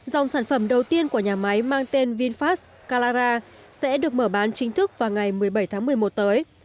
dòng sản phẩm đầu tiên của nhà máy mang tên vinfast calara sẽ được mở bán chính thức vào ngày một mươi bảy tháng một mươi một tới